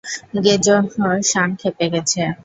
Gojo-san ক্ষেপে গেছে!